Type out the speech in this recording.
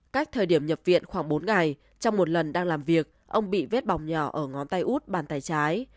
cách thời điểm nhập viện khoảng bốn ngày trong một lần đang làm việc ông bị vết bỏng nhỏ ở ngón tay út bàn tay trái